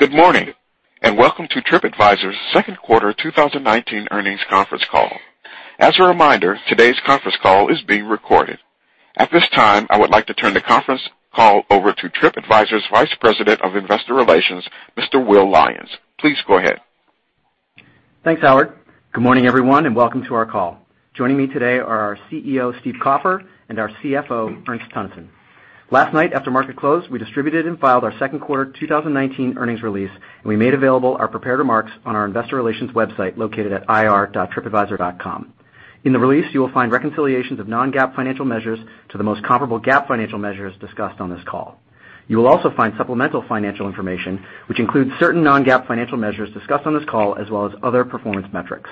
Good morning, welcome to TripAdvisor's Second Quarter 2019 Earnings Conference Call. As a reminder, today's conference call is being recorded. At this time, I would like to turn the conference call over to TripAdvisor's Vice President of Investor Relations, Mr. Will Lyons. Please go ahead. Thanks, Howard. Good morning, everyone, and welcome to our call. Joining me today are our CEO, Steve Kaufer, and our CFO, Ernst Teunissen. Last night, after market close, we distributed and filed our second quarter 2019 earnings release, and we made available our prepared remarks on our investor relations website, located at ir.tripadvisor.com. In the release, you will find reconciliations of non-GAAP financial measures to the most comparable GAAP financial measures discussed on this call. You will also find supplemental financial information, which includes certain non-GAAP financial measures discussed on this call, as well as other performance metrics.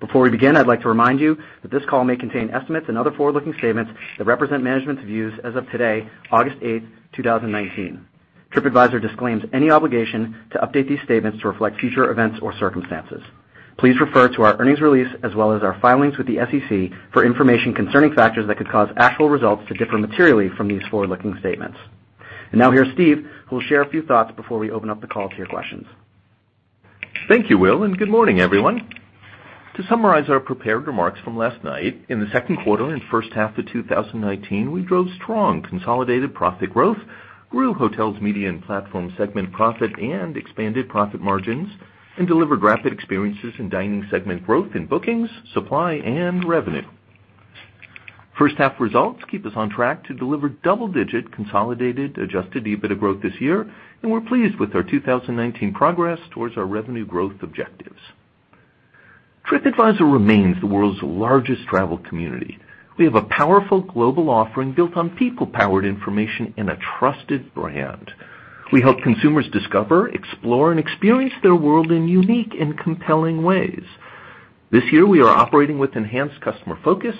Before we begin, I'd like to remind you that this call may contain estimates and other forward-looking statements that represent management's views as of today, August 8th, 2019. TripAdvisor disclaims any obligation to update these statements to reflect future events or circumstances. Please refer to our earnings release as well as our filings with the SEC for information concerning factors that could cause actual results to differ materially from these forward-looking statements. Now here's Steve, who will share a few thoughts before we open up the call to your questions. Thank you, Will, and good morning, everyone. To summarize our prepared remarks from last night, in the second quarter and first half to 2019, we drove strong consolidated profit growth, grew Hotels, Media & Platform segment profit and expanded profit margins, and delivered rapid Experiences & Dining segment growth in bookings, supply, and revenue. First half results keep us on track to deliver double-digit consolidated adjusted EBITDA growth this year, and we're pleased with our 2019 progress towards our revenue growth objectives. TripAdvisor remains the world's largest travel community. We have a powerful global offering built on people-powered information and a trusted brand. We help consumers discover, explore, and experience their world in unique and compelling ways. This year, we are operating with enhanced customer focus,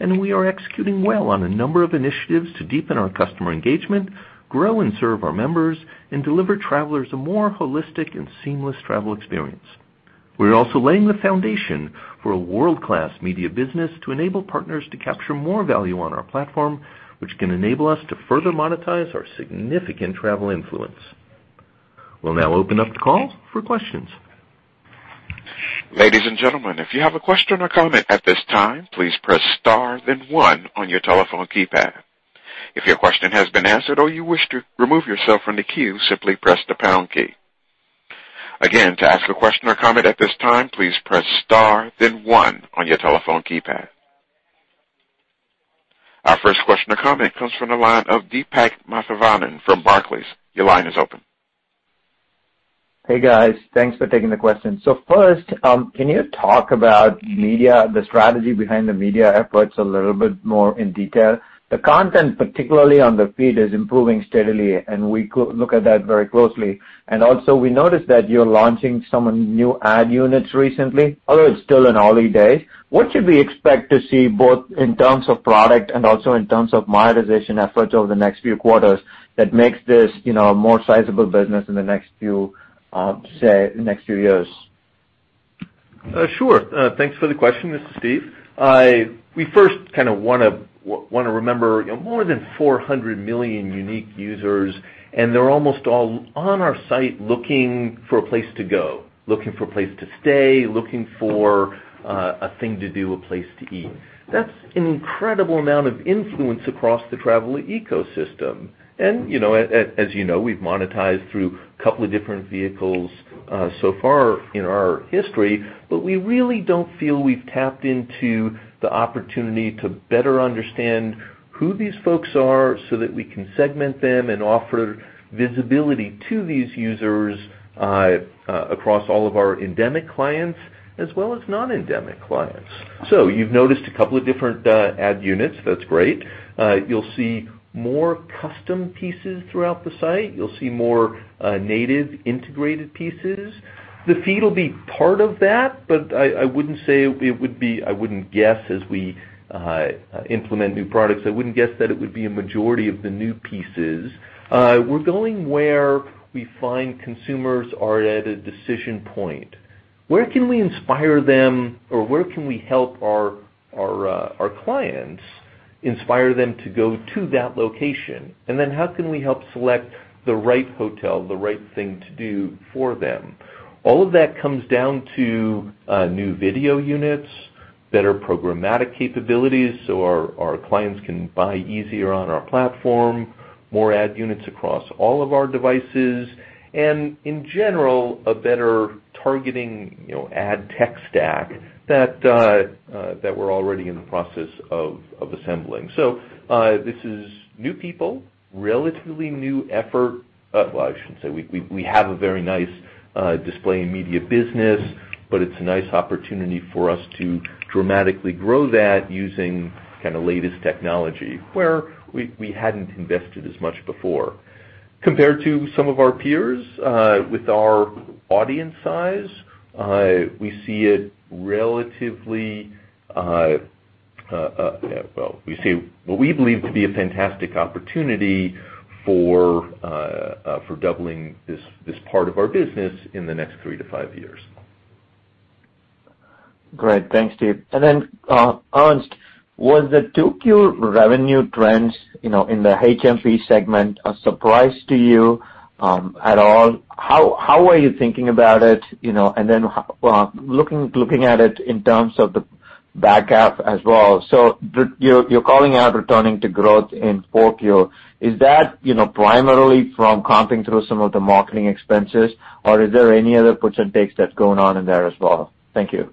and we are executing well on a number of initiatives to deepen our customer engagement, grow and serve our members, and deliver travelers a more holistic and seamless travel experience. We're also laying the foundation for a world-class media business to enable partners to capture more value on our platform, which can enable us to further monetize our significant travel influence. We'll now open up the call for questions. Ladies and gentlemen, if you have a question or comment at this time, please press star then one on your telephone keypad. If your question has been answered or you wish to remove yourself from the queue, simply press the pound key. Again, to ask a question or comment at this time, please press star then one on your telephone keypad. Our first question or comment comes from the line of Deepak Mathivanan from Barclays. Your line is open. Hey, guys. Thanks for taking the question. First, can you talk about the strategy behind the media efforts a little bit more in detail? The content, particularly on the feed, is improving steadily, and we look at that very closely. We noticed that you're launching some new ad units recently, although it's still in early days. What should we expect to see both in terms of product and also in terms of monetization efforts over the next few quarters that makes this a more sizable business in the next few years? Sure. Thanks for the question. This is Steve. We first want to remember more than 400 million unique users, and they're almost all on our site looking for a place to go, looking for a place to stay, looking for a thing to do, a place to eat. That's an incredible amount of influence across the travel ecosystem. As you know, we've monetized through a couple of different vehicles so far in our history, but we really don't feel we've tapped into the opportunity to better understand who these folks are so that we can segment them and offer visibility to these users across all of our endemic clients as well as non-endemic clients. You've noticed a couple of different ad units. That's great. You'll see more custom pieces throughout the site. You'll see more native integrated pieces. The feed will be part of that, but I wouldn't guess as we implement new products, that it would be a majority of the new pieces. We're going where we find consumers are at a decision point. Where can we inspire them or where can we help our clients inspire them to go to that location? How can we help select the right hotel, the right thing to do for them? All of that comes down to new video units, better programmatic capabilities, so our clients can buy easier on our platform, more ad units across all of our devices, and in general, a better targeting ad tech stack that we're already in the process of assembling. This is new people, relatively new effort. Well, I shouldn't say. We have a very nice display in media business, but it's a nice opportunity for us to dramatically grow that using latest technology where we hadn't invested as much before. Compared to some of our peers with our audience size, we see what we believe to be a fantastic opportunity for doubling this part of our business in the next three to five years. Great. Thanks, Steve. Ernst, was the 2Q revenue trends in the HM&P segment a surprise to you at all? How are you thinking about it? Looking at it in terms of the back half as well. You're calling out returning to growth in 4Q. Is that primarily from comping through some of the marketing expenses, or is there any other push and takes that's going on in there as well? Thank you.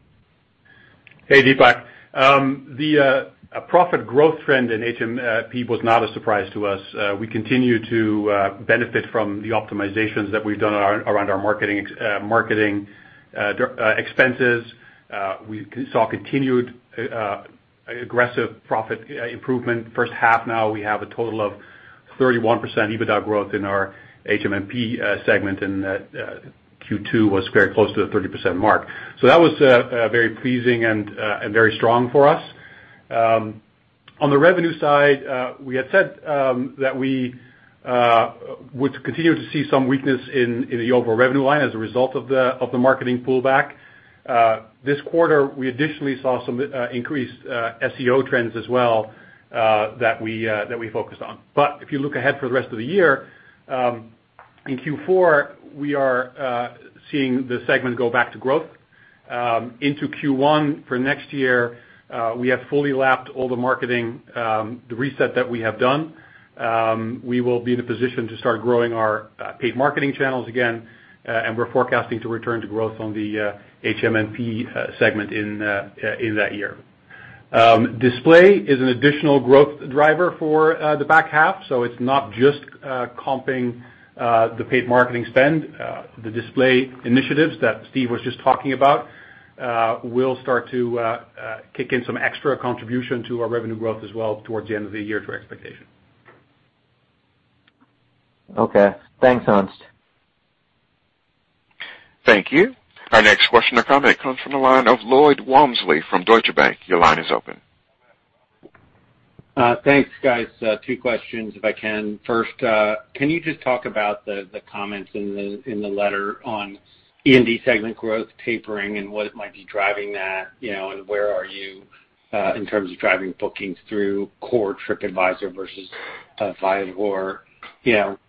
Hey, Deepak. The profit growth trend in HM&P was not a surprise to us. We continue to benefit from the optimizations that we've done around our marketing expenses. We saw continued aggressive profit improvement. First half now we have a total of 31% EBITDA growth in our HM&P segment, and Q2 was very close to the 30% mark. That was very pleasing and very strong for us. On the revenue side, we had said that we would continue to see some weakness in the overall revenue line as a result of the marketing pullback. This quarter, we additionally saw some increased SEO trends as well, that we focused on. If you look ahead for the rest of the year, in Q4, we are seeing the segment go back to growth. Into Q1 for next year, we have fully lapped all the marketing, the reset that we have done. We will be in a position to start growing our paid marketing channels again. We're forecasting to return to growth on the HM&P segment in that year. Display is an additional growth driver for the back half. It's not just comping the paid marketing spend. The display initiatives that Steve was just talking about will start to kick in some extra contribution to our revenue growth as well towards the end of the year to our expectation. Okay. Thanks, Ernst. Thank you. Our next question or comment comes from the line of Lloyd Walmsley from Deutsche Bank. Your line is open. Thanks, guys. Two questions, if I can. First, can you just talk about the comments in the letter on E&D segment growth tapering and what might be driving that, and where are you, in terms of driving bookings through core TripAdvisor versus Viator?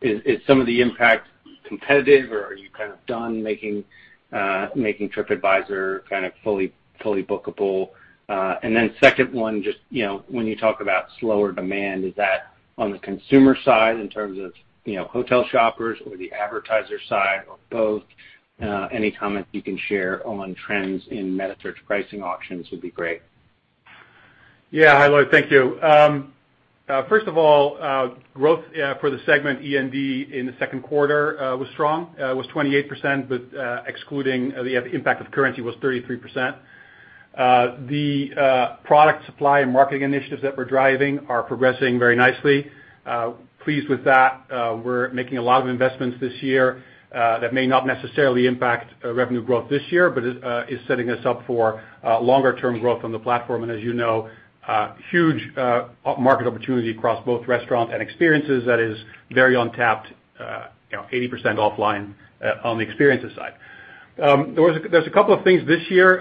Is some of the impact competitive or are you kind of done making TripAdvisor fully bookable? Then second one, when you talk about slower demand, is that on the consumer side in terms of hotel shoppers or the advertiser side or both? Any comments you can share on trends in meta search pricing auctions would be great. Yeah. Hi, Lloyd. Thank you. First of all, growth for the segment E&D in the second quarter was strong, was 28%. Excluding the impact of currency was 33%. The product supply and marketing initiatives that we're driving are progressing very nicely. Pleased with that. We're making a lot of investments this year that may not necessarily impact revenue growth this year, but is setting us up for longer term growth on the platform. As you know, huge market opportunity across both restaurants and experiences that is very untapped, 80% offline on the experiences side. There's a couple of things this year,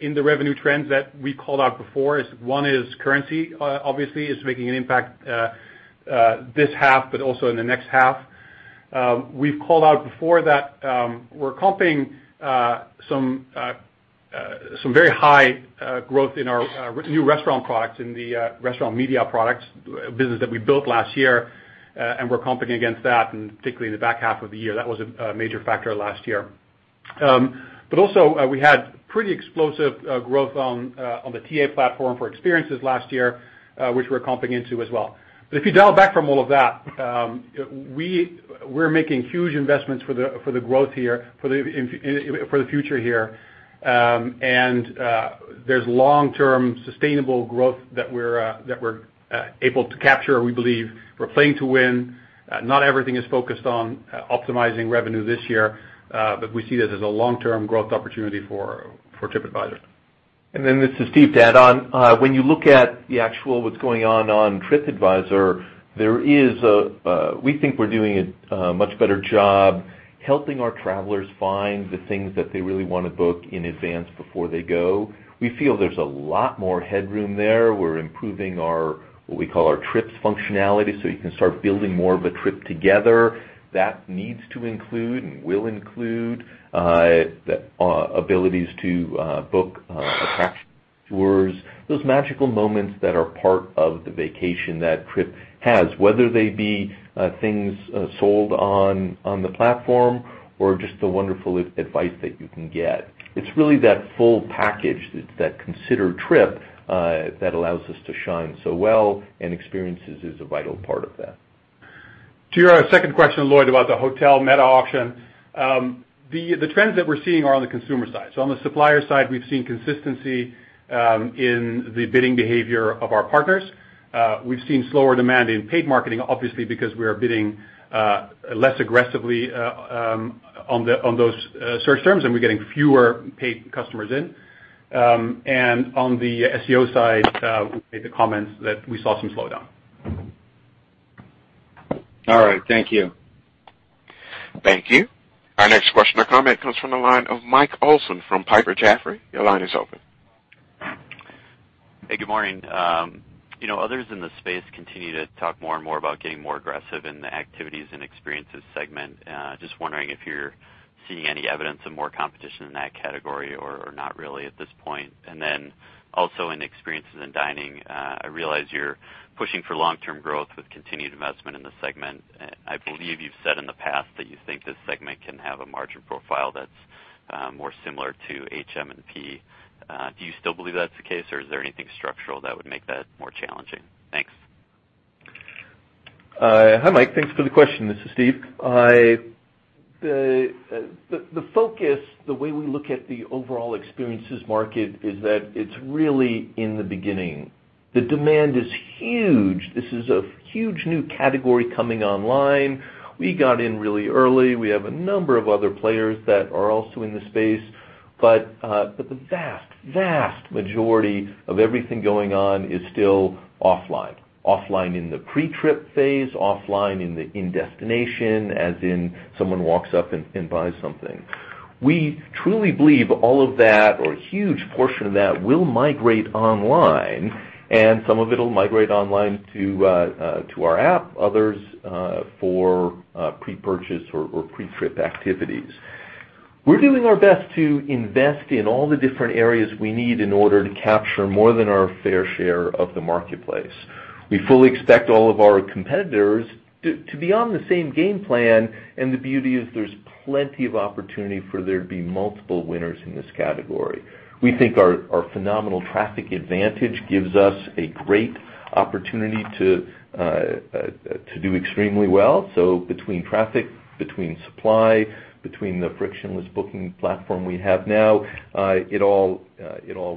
in the revenue trends that we called out before is, one is currency, obviously is making an impact this half, also in the next half. We've called out before that we're comping some very high growth in our new restaurant products, in the restaurant media products business that we built last year. We're comping against that, particularly in the back half of the year. That was a major factor last year. Also, we had pretty explosive growth on the TA platform for experiences last year, which we're comping into as well. If you dial back from all of that, we're making huge investments for the growth here, for the future here. There's long-term sustainable growth that we're able to capture, we believe. We're playing to win. Not everything is focused on optimizing revenue this year, but we see it as a long-term growth opportunity for TripAdvisor. This is Steve, to add on. When you look at the actual what's going on on TripAdvisor, we think we're doing a much better job helping our travelers find the things that they really want to book in advance before they go. We feel there's a lot more headroom there. We're improving our, what we call our trips functionality, so you can start building more of a trip together. That needs to include and will include, the abilities to book attraction tours, those magical moments that are part of the vacation that Trip has, whether they be things sold on the platform or just the wonderful advice that you can get. It's really that full package, that considered trip, that allows us to shine so well, and experiences is a vital part of that. To your second question, Lloyd, about the hotel meta auction. The trends that we're seeing are on the consumer side. On the supplier side, we've seen consistency in the bidding behavior of our partners. We've seen slower demand in paid marketing, obviously because we are bidding less aggressively on those search terms, and we're getting fewer paid customers in. On the SEO side, we made the comments that we saw some slowdown. All right. Thank you. Thank you. Our next question or comment comes from the line of Mike Olson from Piper Jaffray. Your line is open. Hey, good morning. Wondering if you're seeing any evidence of more competition in that category or not really at this point? Then also in Experiences & Dining, I realize you're pushing for long-term growth with continued investment in this segment. I believe you've said in the past that you think this segment can have a margin profile that's more similar to HM&P. Do you still believe that's the case, or is there anything structural that would make that more challenging? Thanks. Hi, Mike. Thanks for the question. This is Steve. The focus, the way we look at the overall experiences market is that it's really in the beginning. The demand is huge. This is a huge new category coming online. We got in really early. We have a number of other players that are also in the space. The vast majority of everything going on is still offline. Offline in the pre-trip phase, offline in destination, as in someone walks up and buys something. We truly believe all of that or a huge portion of that will migrate online, and some of it'll migrate online to our app, others for pre-purchase or pre-trip activities. We're doing our best to invest in all the different areas we need in order to capture more than our fair share of the marketplace. We fully expect all of our competitors to be on the same game plan, and the beauty is there's plenty of opportunity for there to be multiple winners in this category. We think our phenomenal traffic advantage gives us a great opportunity to do extremely well. Between traffic, between supply, between the frictionless booking platform we have now, it all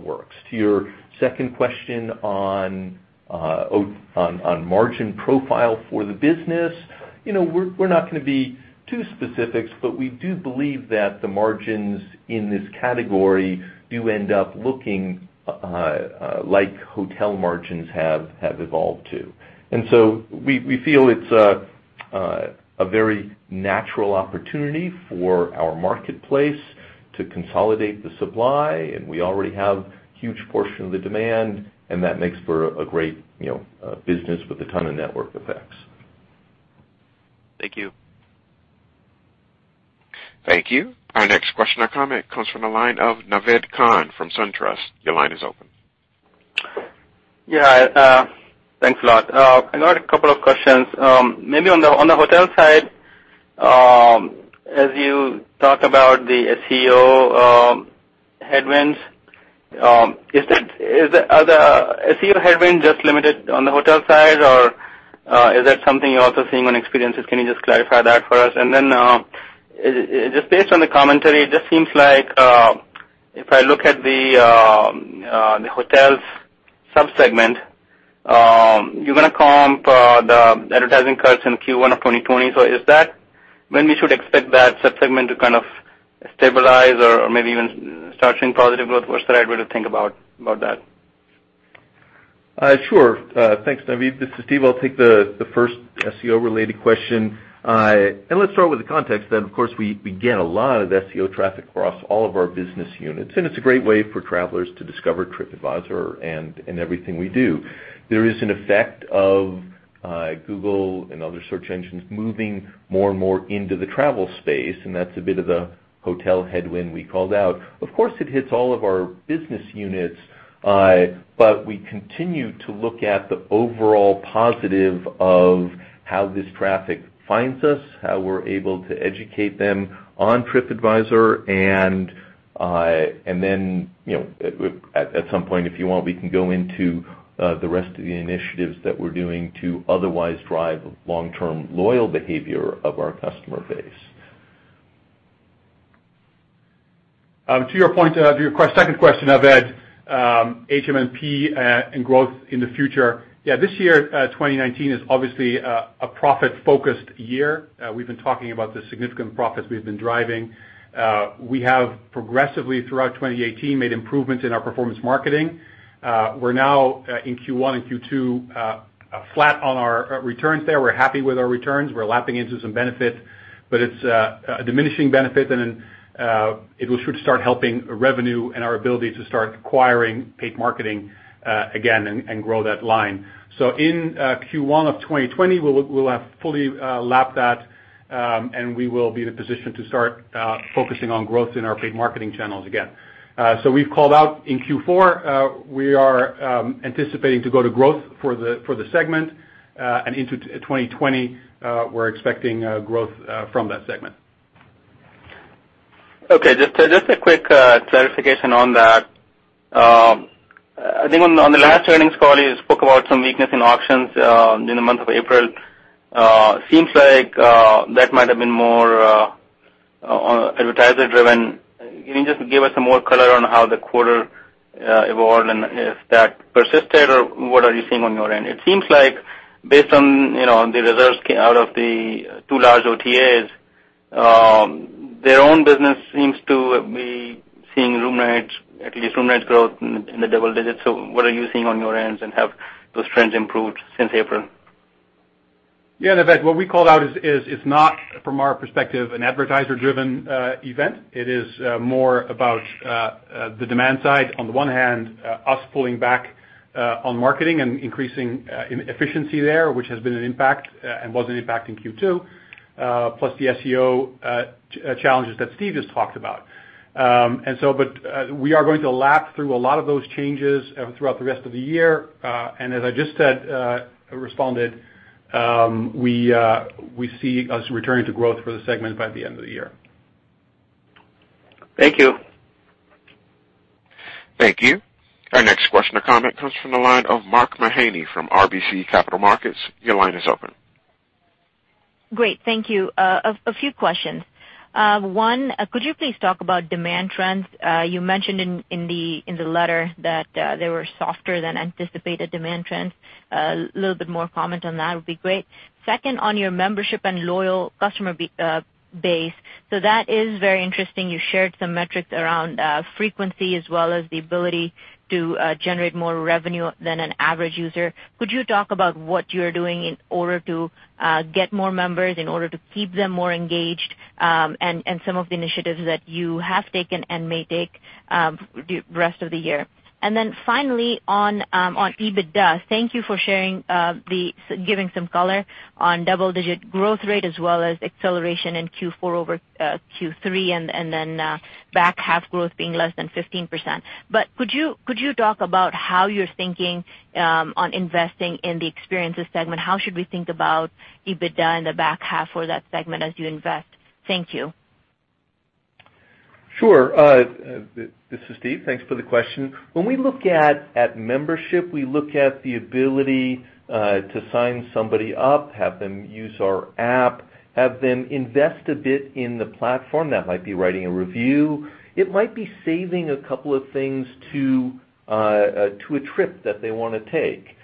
works. To your second question on margin profile for the business, we're not going to be too specific, but we do believe that the margins in this category do end up looking like hotel margins have evolved to. We feel it's a very natural opportunity for our marketplace to consolidate the supply, and we already have a huge portion of the demand, and that makes for a great business with a ton of network effects. Thank you. Thank you. Our next question or comment comes from the line of Naved Khan from SunTrust. Your line is open. Yeah. Thanks a lot. I got a couple of questions. Maybe on the hotel side, as you talk about the SEO headwinds, are the SEO headwinds just limited on the hotel side, or is that something you're also seeing on experiences? Can you just clarify that for us? Just based on the commentary, it just seems like if I look at the hotels sub-segment, you're going to comp the advertising cuts in Q1 of 2020. Is that when we should expect that sub-segment to kind of stabilize or maybe even start showing positive growth? What's the right way to think about that? Sure. Thanks, Naved. This is Steve. I'll take the first SEO related question. Let's start with the context that, of course, we get a lot of SEO traffic across all of our business units, it's a great way for travelers to discover TripAdvisor and everything we do. There is an effect of Google and other search engines moving more and more into the travel space, that's a bit of a hotel headwind we called out. Of course, it hits all of our business units, we continue to look at the overall positive of how this traffic finds us, how we're able to educate them on TripAdvisor, then, at some point, if you want, we can go into the rest of the initiatives that we're doing to otherwise drive long-term loyal behavior of our customer base. To your second question, Naved, HM&P and growth in the future. Yeah, this year, 2019, is obviously a profit-focused year. We've been talking about the significant profits we've been driving. We have progressively, throughout 2018, made improvements in our performance marketing. We're now in Q1 and Q2, flat on our returns there. We're happy with our returns. We're lapping into some benefit, but it's a diminishing benefit, and it should start helping revenue and our ability to start acquiring paid marketing again and grow that line. In Q1 of 2020, we'll have fully lapped that, and we will be in a position to start focusing on growth in our paid marketing channels again. We've called out in Q4, we are anticipating to go to growth for the segment, and into 2020, we're expecting growth from that segment. Okay, just a quick clarification on that. I think on the last earnings call, you spoke about some weakness in auctions in the month of April. Seems like that might have been more advertiser driven. Can you just give us some more color on how the quarter evolved and if that persisted or what are you seeing on your end? It seems like based on the results out of the two large OTAsTheir own business seems to be seeing room nights, at least room nights growth in the double digits. What are you seeing on your end, and have those trends improved since April? Yeah, Naved, what we called out is not from our perspective an advertiser-driven event. It is more about the demand side. On the one hand, us pulling back on marketing and increasing efficiency there, which has been an impact and was an impact in Q2, plus the SEO challenges that Steve just talked about. We are going to lap through a lot of those changes throughout the rest of the year. As I just said, responded, we see us returning to growth for the segment by the end of the year. Thank you. Thank you. Our next question or comment comes from the line of Mark Mahaney from RBC Capital Markets. Your line is open. Great. Thank you. A few questions. One, could you please talk about demand trends? You mentioned in the letter that they were softer than anticipated demand trends. A little bit more comment on that would be great. Second, on your membership and loyal customer base. That is very interesting. You shared some metrics around frequency as well as the ability to generate more revenue than an average user. Could you talk about what you're doing in order to get more members, in order to keep them more engaged, and some of the initiatives that you have taken and may take the rest of the year? Finally, on EBITDA, thank you for giving some color on double-digit growth rate as well as acceleration in Q4 over Q3, and then back half growth being less than 15%. Could you talk about how you're thinking on investing in the Experiences segment? How should we think about EBITDA in the back half for that segment as you invest? Thank you. Sure. This is Steve. Thanks for the question. When we look at membership, we look at the ability to sign somebody up, have them use our app, have them invest a bit in the platform, that might be writing a review. It might be saving a couple of things to a trip that they want to take.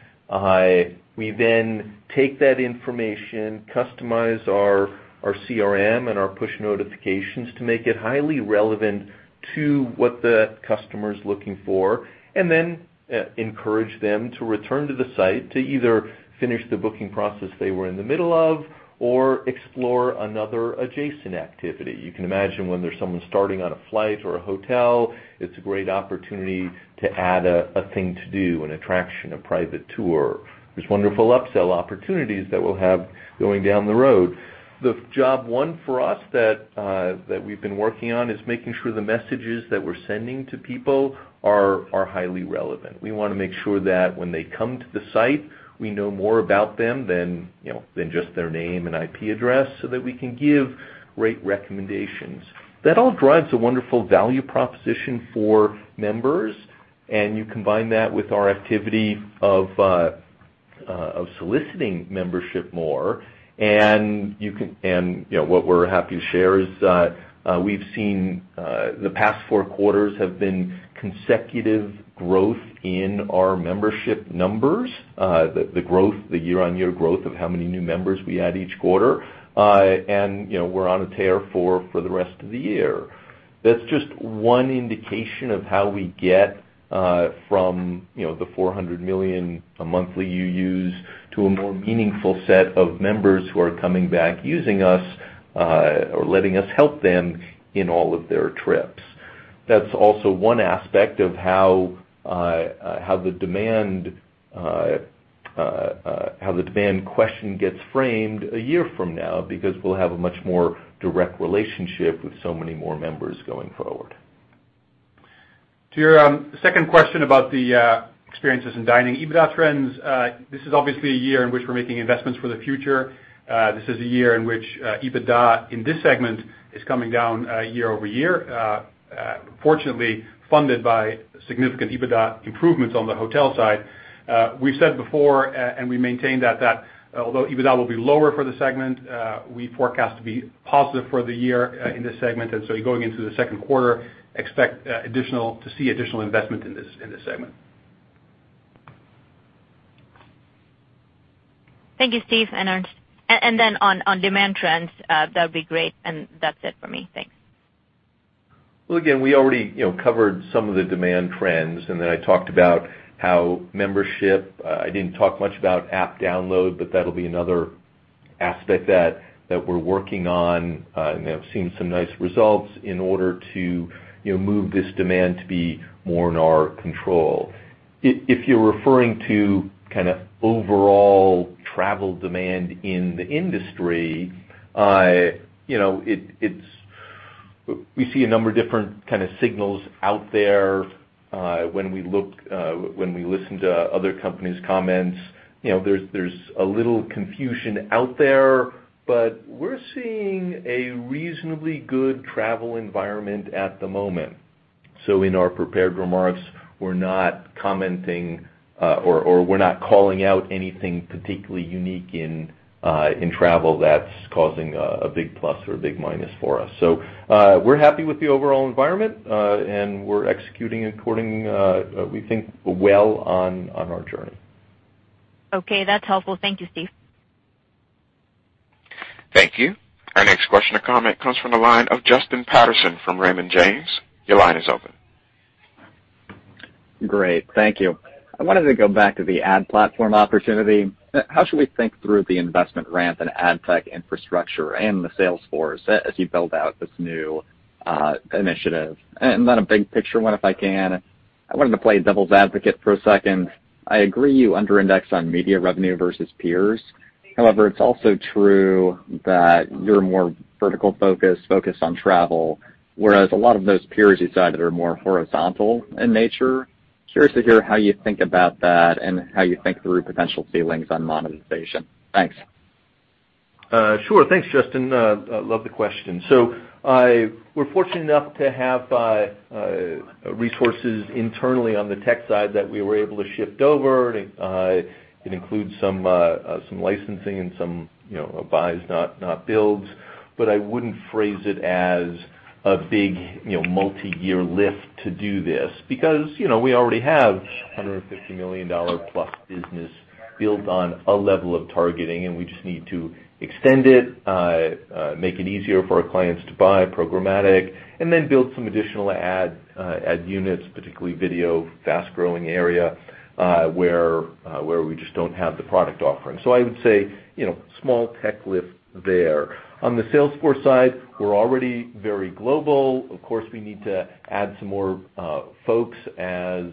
We then take that information, customize our CRM and our push notifications to make it highly relevant to what the customer's looking for, and then encourage them to return to the site to either finish the booking process they were in the middle of or explore another adjacent activity. You can imagine when there's someone starting on a flight or a hotel, it's a great opportunity to add a thing to do, an attraction, a private tour. There's wonderful upsell opportunities that we'll have going down the road. The job one for us that we've been working on is making sure the messages that we're sending to people are highly relevant. We want to make sure that when they come to the site, we know more about them than just their name and IP address so that we can give great recommendations. That all drives a wonderful value proposition for members, and you combine that with our activity of soliciting membership more. What we're happy to share is we've seen the past four quarters have been consecutive growth in our membership numbers, the year-over-year growth of how many new members we add each quarter. We're on a tear for the rest of the year. That's just one indication of how we get from the 400 million monthly UUs to a more meaningful set of members who are coming back using us or letting us help them in all of their trips. That's also one aspect of how the demand question gets framed a year from now, because we'll have a much more direct relationship with so many more members going forward. To your second question about the Experiences & Dining EBITDA trends, this is obviously a year in which we're making investments for the future. This is a year in which EBITDA in this segment is coming down year-over-year, fortunately funded by significant EBITDA improvements on the hotel side. We've said before, and we maintain that although EBITDA will be lower for the segment, we forecast to be positive for the year in this segment. You're going into the second quarter, expect to see additional investment in this segment. Thank you, Steve. On demand trends, that would be great, and that's it for me. Thanks. Again, we already covered some of the demand trends, and then I talked about how membership-- I didn't talk much about app download, but that'll be another aspect that we're working on and have seen some nice results in order to move this demand to be more in our control. If you're referring to overall travel demand in the industry, we see a number of different kind of signals out there. When we listen to other companies' comments, there's a little confusion out there, but we're seeing a reasonably good travel environment at the moment. In our prepared remarks, we're not commenting or we're not calling out anything particularly unique in travel that's causing a big plus or a big minus for us. We're happy with the overall environment, and we're executing according, we think, well on our journey. Okay, that's helpful. Thank you, Steve. Thank you. Our next question or comment comes from the line of Justin Patterson from Raymond James. Your line is open. Great. Thank you. I wanted to go back to the ad platform opportunity. How should we think through the investment ramp in ad tech infrastructure and the sales force as you build out this new initiative? A big picture one if I can. I wanted to play devil's advocate for a second. I agree you under-index on media revenue versus peers. However, it's also true that you're more vertical focused on travel, whereas a lot of those peers you cited are more horizontal in nature. Curious to hear how you think about that and how you think through potential ceilings on monetization. Thanks. Sure. Thanks, Justin. Love the question. We're fortunate enough to have resources internally on the tech side that we were able to shift over. It includes some licensing and some buys, not builds. I wouldn't phrase it as a big multi-year lift to do this because we already have a $150 million plus business built on a level of targeting, and we just need to extend it, make it easier for our clients to buy programmatic, and then build some additional ad units, particularly video, a fast-growing area, where we just don't have the product offering. I would say, small tech lift there. On the Salesforce side, we're already very global. Of course, we need to add some more folks as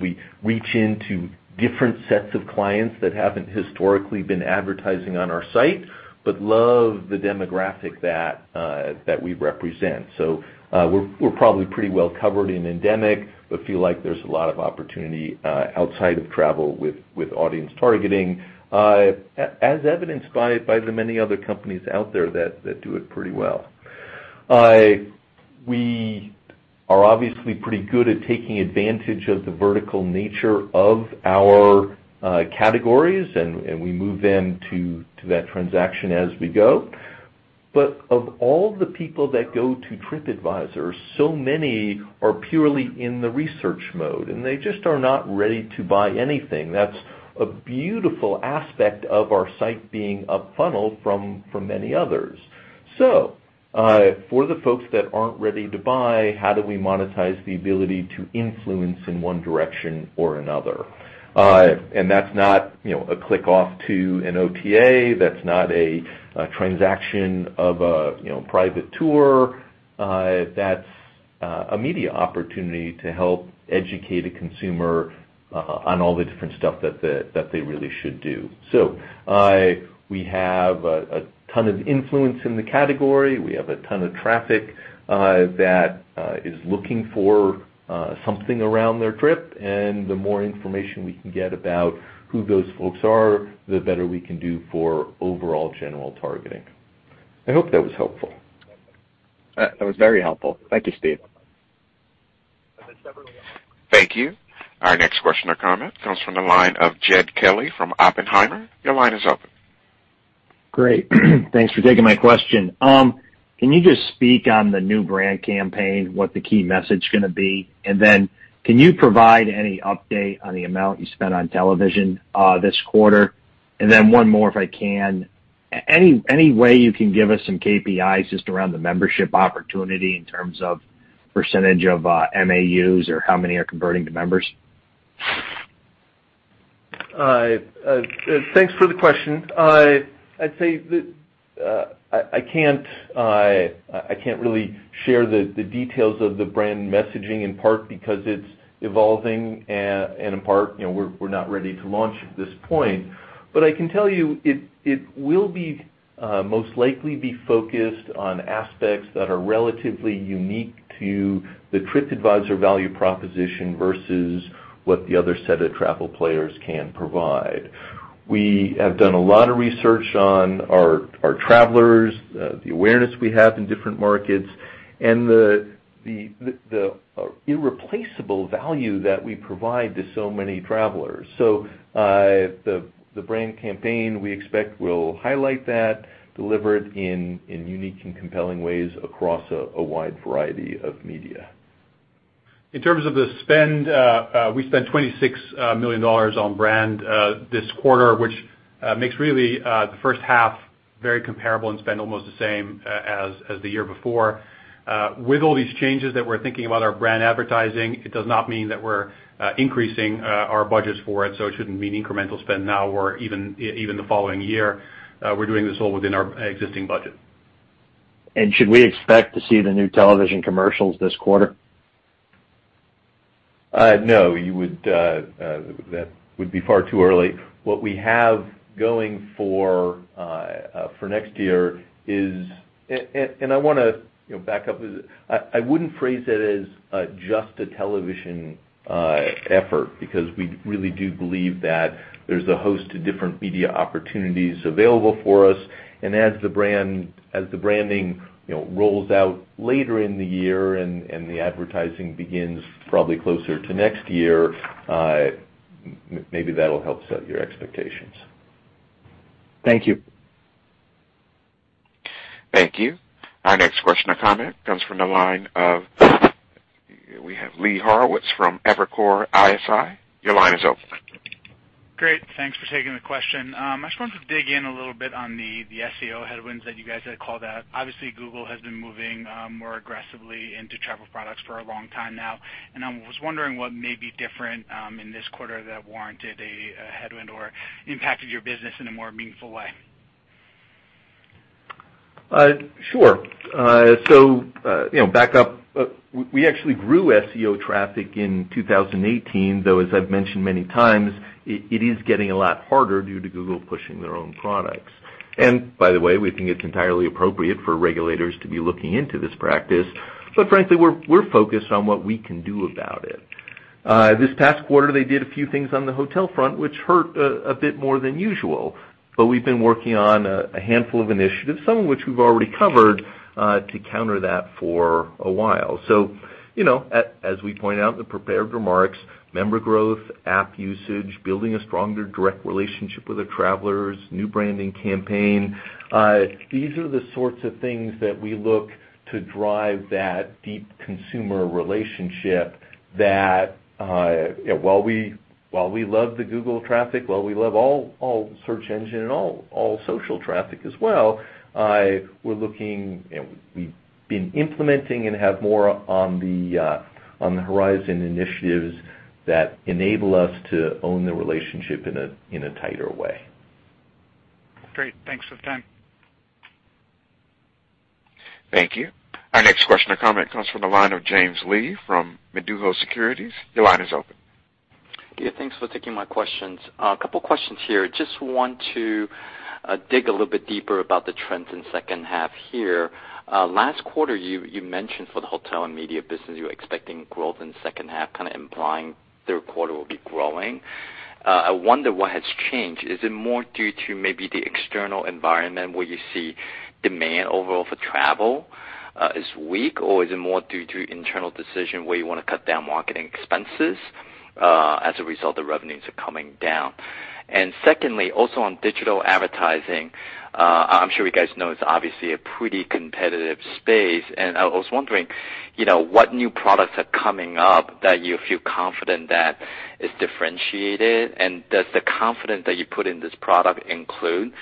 we reach into different sets of clients that haven't historically been advertising on our site but love the demographic that we represent. We're probably pretty well covered in endemic, but feel like there's a lot of opportunity outside of travel with audience targeting, as evidenced by the many other companies out there that do it pretty well. We are obviously pretty good at taking advantage of the vertical nature of our categories, and we move them to that transaction as we go. Of all the people that go to TripAdvisor, so many are purely in the research mode, and they just are not ready to buy anything. That's a beautiful aspect of our site being up funnel from many others. For the folks that aren't ready to buy, how do we monetize the ability to influence in one direction or another? That's not a click off to an OTA. That's not a transaction of a private tour. That's a media opportunity to help educate a consumer on all the different stuff that they really should do. We have a ton of influence in the category. We have a ton of traffic that is looking for something around their trip, and the more information we can get about who those folks are, the better we can do for overall general targeting. I hope that was helpful. That was very helpful. Thank you, Steve. Thank you. Our next question or comment comes from the line of Jed Kelly from Oppenheimer. Your line is open. Great. Thanks for taking my question. Can you just speak on the new brand campaign, what the key message is going to be? Can you provide any update on the amount you spent on television this quarter? One more, if I can. Any way you can give us some KPIs just around the membership opportunity in terms of percentage of MAUs or how many are converting to members? Thanks for the question. I'd say that I can't really share the details of the brand messaging, in part because it's evolving, and in part, we're not ready to launch at this point. I can tell you it will most likely be focused on aspects that are relatively unique to the TripAdvisor value proposition versus what the other set of travel players can provide. We have done a lot of research on our travelers, the awareness we have in different markets, and the irreplaceable value that we provide to so many travelers. The brand campaign, we expect, will highlight that, deliver it in unique and compelling ways across a wide variety of media. In terms of the spend, we spent $26 million on brand this quarter, which makes really the first half very comparable in spend, almost the same as the year before. With all these changes that we're thinking about our brand advertising, it does not mean that we're increasing our budgets for it shouldn't mean incremental spend now or even the following year. We're doing this all within our existing budget. Should we expect to see the new television commercials this quarter? No, that would be far too early. What we have going for next year. I want to back up. I wouldn't phrase it as just a television effort because we really do believe that there's a host of different media opportunities available for us. As the branding rolls out later in the year and the advertising begins probably closer to next year, maybe that'll help set your expectations. Thank you. Thank you. Our next question or comment comes from the line of, we have Lee Horowitz from Evercore ISI. Your line is open. Great. Thanks for taking the question. I just wanted to dig in a little bit on the SEO headwinds that you guys had called out. Obviously, Google has been moving more aggressively into travel products for a long time now, and I was wondering what may be different in this quarter that warranted a headwind or impacted your business in a more meaningful way. Sure. Back up, we actually grew SEO traffic in 2018, though, as I've mentioned many times, it is getting a lot harder due to Google pushing their own products. By the way, we think it's entirely appropriate for regulators to be looking into this practice. Frankly, we're focused on what we can do about it. This past quarter, they did a few things on the hotel front, which hurt a bit more than usual, but we've been working on a handful of initiatives, some of which we've already covered, to counter that for a while. As we point out in the prepared remarks, member growth, app usage, building a stronger direct relationship with the travelers, new branding campaign, these are the sorts of things that we look to drive that deep consumer relationship that while we love the Google traffic, while we love all search engine, and all social traffic as well, we've been implementing and have more on the horizon initiatives that enable us to own the relationship in a tighter way. Great. Thanks for the time. Thank you. Our next question or comment comes from the line of James Lee from Mizuho Securities. Your line is open. Yeah. Thanks for taking my questions. A couple questions here. Just want to dig a little bit deeper about the trends in second half here. Last quarter, you mentioned for the hotel and media business, you were expecting growth in second half, implying third quarter will be growing. I wonder what has changed. Is it more due to maybe the external environment where you see demand overall for travel is weak, or is it more due to internal decision where you want to cut down marketing expenses, as a result, the revenues are coming down? Secondly, also on digital advertising, I'm sure you guys know it's obviously a pretty competitive space. I was wondering what new products are coming up that you feel confident that is differentiated. Does the confidence that you put in this product include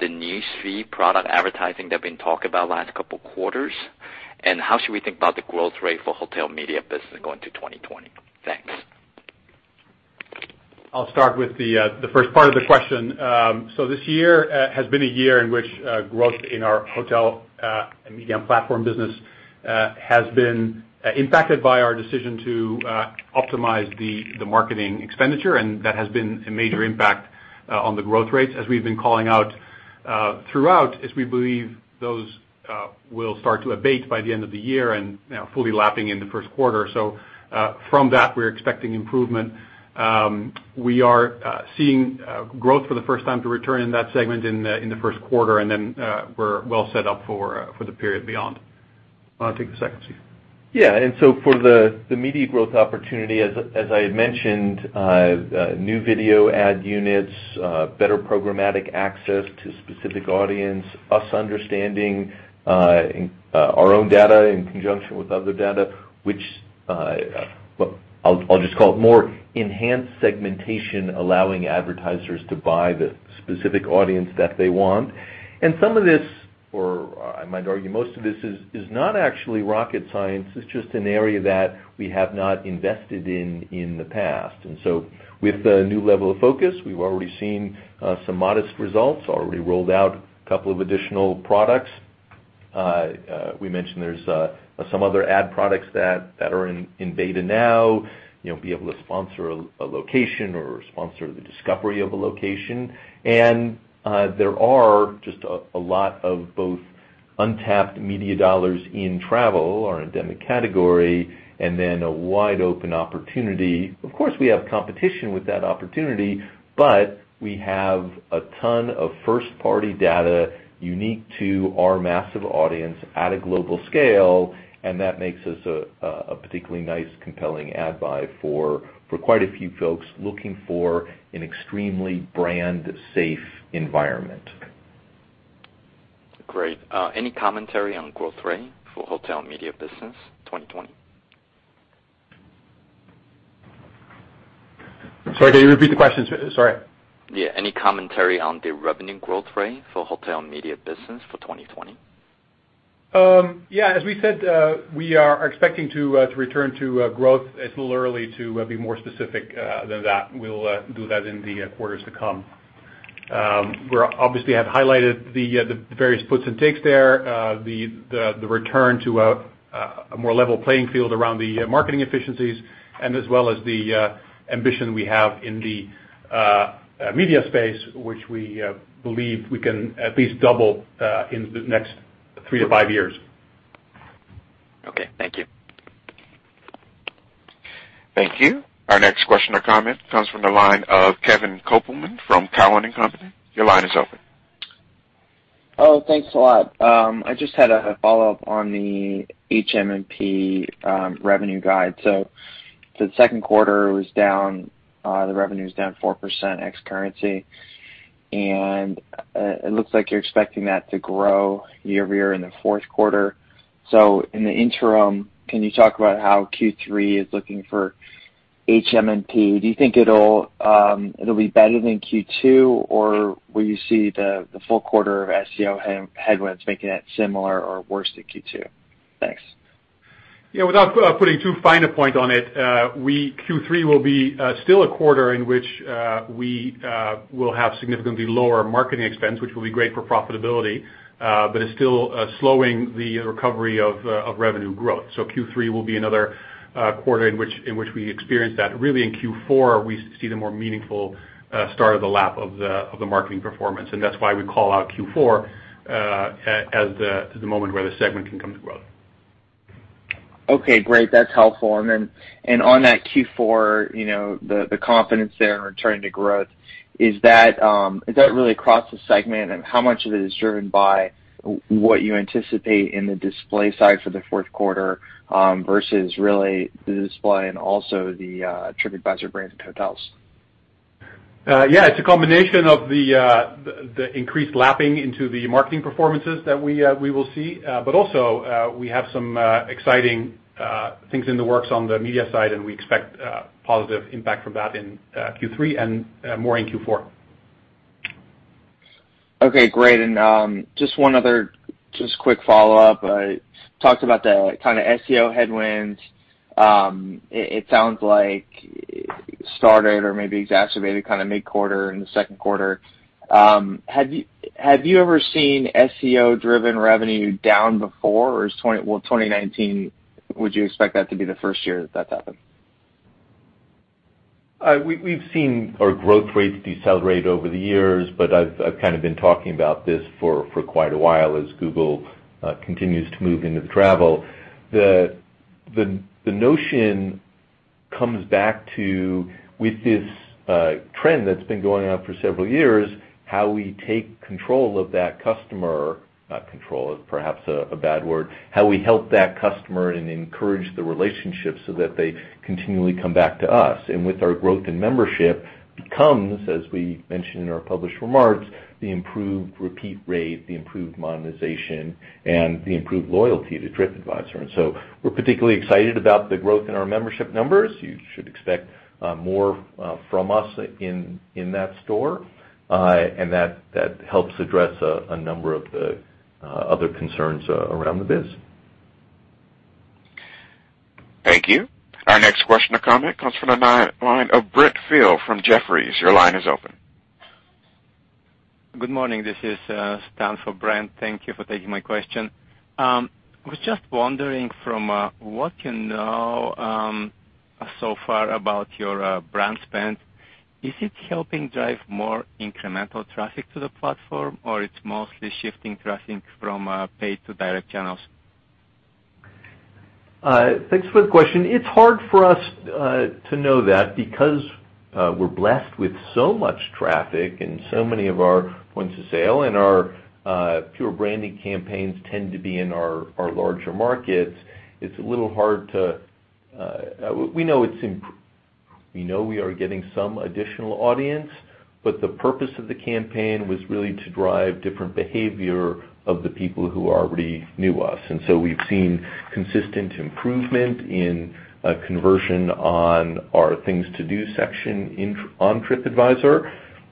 the news feed product advertising that we've been talking about last couple quarters? How should we think about the growth rate for hotel media business going to 2020? Thanks. I'll start with the first part of the question. This year has been a year in which growth in our Hotels, Media & Platform business has been impacted by our decision to optimize the marketing expenditure, and that has been a major impact on the growth rates, as we've been calling out throughout, as we believe those will start to abate by the end of the year and fully lapping in the first quarter. From that, we're expecting improvement. We are seeing growth for the first time to return in that segment in the first quarter, and then we're well set up for the period beyond. Why not take the second, Steve? For the media growth opportunity, as I had mentioned, new video ad units, better programmatic access to specific audience, us understanding our own data in conjunction with other data, which I'll just call it more enhanced segmentation, allowing advertisers to buy the specific audience that they want. Some of this, or I might argue most of this, is not actually rocket science. It's just an area that we have not invested in in the past. With the new level of focus, we've already seen some modest results, already rolled out a couple of additional products. We mentioned there's some other ad products that are in beta now. Be able to sponsor a location or sponsor the discovery of a location. There are just a lot of both untapped media dollars in travel, our endemic category, and then a wide open opportunity. Of course, we have competition with that opportunity, but we have a ton of first-party data unique to our massive audience at a global scale, and that makes us a particularly nice, compelling ad buy for quite a few folks looking for an extremely brand safe environment. Great. Any commentary on growth rate for Hotel and Media business 2020? Sorry, can you repeat the question? Sorry. Yeah. Any commentary on the revenue growth rate for hotel and media business for 2020? Yeah. As we said, we are expecting to return to growth. It's a little early to be more specific than that. We'll do that in the quarters to come. We obviously have highlighted the various puts and takes there, the return to a more level playing field around the marketing efficiencies, and as well as the ambition we have in the media space, which we believe we can at least double in the next three-five years. Okay. Thank you. Thank you. Our next question or comment comes from the line of Kevin Kopelman from Cowen and Company. Your line is open. Oh, thanks a lot. I just had a follow-up on the HM&P revenue guide. The second quarter, the revenue's down 4% ex-currency, and it looks like you're expecting that to grow year-over-year in the fourth quarter. In the interim, can you talk about how Q3 is looking for HM&P? Do you think it'll be better than Q2, or will you see the full quarter of SEO headwinds making that similar or worse than Q2? Thanks. Yeah, without putting too fine a point on it, Q3 will be still a quarter in which we will have significantly lower marketing expense, which will be great for profitability, but is still slowing the recovery of revenue growth. Q3 will be another quarter in which we experience that. Really in Q4, we see the more meaningful start of the lap of the marketing performance. That's why we call out Q4 as the moment where the segment can come to growth. Okay, great. That's helpful. Then on that Q4, the confidence there in returning to growth, is that really across the segment? How much of it is driven by what you anticipate in the display side for the fourth quarter, versus really the display and also the TripAdvisor branded hotels? Yeah. It's a combination of the increased lapping into the marketing performances that we will see. Also, we have some exciting things in the works on the media side, and we expect a positive impact from that in Q3 and more in Q4. Okay, great. Just one other just quick follow-up. Talked about the kind of SEO headwinds. It sounds like it started or maybe exacerbated mid-quarter in the second quarter. Have you ever seen SEO-driven revenue down before, or will 2019, would you expect that to be the first year that that's happened? We've seen our growth rates decelerate over the years, I've kind of been talking about this for quite a while as Google continues to move into the travel. The notion comes back to, with this trend that's been going on for several years, how we take control of that customer. Control is perhaps a bad word. How we help that customer and encourage the relationship so that they continually come back to us. With our growth in membership, becomes, as we mentioned in our published remarks, the improved repeat rate, the improved monetization, and the improved loyalty to TripAdvisor. We're particularly excited about the growth in our membership numbers. You should expect more from us in that store. That helps address a number of the other concerns around the biz. Thank you. Our next question or comment comes from the line of Brent Thill from Jefferies. Your line is open. Good morning. This is Stan for Brent. Thank you for taking my question. I was just wondering from what you know so far about your brand spend, is it helping drive more incremental traffic to the platform, or it's mostly shifting traffic from paid to direct channels? Thanks for the question. It's hard for us to know that because we're blessed with so much traffic and so many of our points of sale and our pure branding campaigns tend to be in our larger markets. It's a little hard. We know we are getting some additional audience, but the purpose of the campaign was really to drive different behavior of the people who already knew us. We've seen consistent improvement in conversion on our Things to Do section on TripAdvisor.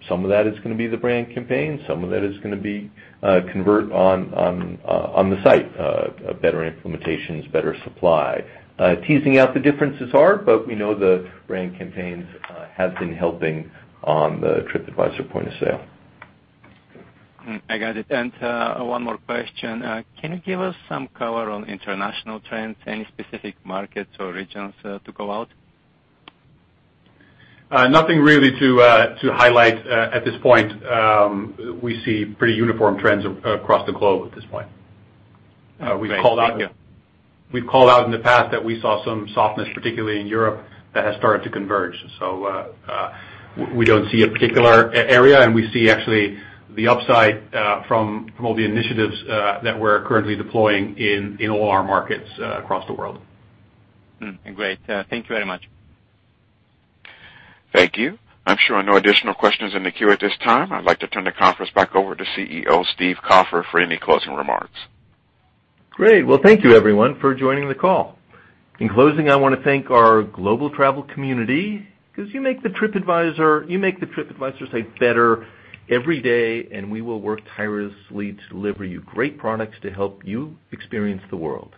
Some of that is going to be the brand campaign, some of that is going to be convert on the site, better implementations, better supply. Teasing out the differences are, we know the brand campaigns have been helping on the TripAdvisor point of sale. I got it. One more question. Can you give us some color on international trends? Any specific markets or regions to call out? Nothing really to highlight at this point. We see pretty uniform trends across the globe at this point. Great. Thank you. We've called out in the past that we saw some softness, particularly in Europe, that has started to converge. We don't see a particular area, and we see actually the upside from all the initiatives that we're currently deploying in all our markets across the world. Great. Thank you very much. Thank you. I'm showing no additional questions in the queue at this time. I'd like to turn the conference back over to CEO Steve Kaufer for any closing remarks. Great. Well, thank you everyone for joining the call. In closing, I want to thank our global travel community because you make the TripAdvisor site better every day. We will work tirelessly to deliver you great products to help you experience the world.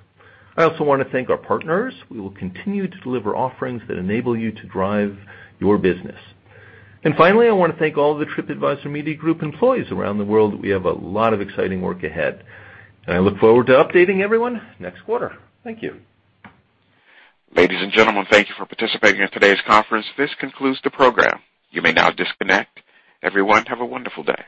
I also want to thank our partners. We will continue to deliver offerings that enable you to drive your business. Finally, I want to thank all of the TripAdvisor Media Group employees around the world. We have a lot of exciting work ahead. I look forward to updating everyone next quarter. Thank you. Ladies and gentlemen, thank you for participating in today's conference. This concludes the program. You may now disconnect. Everyone, have a wonderful day.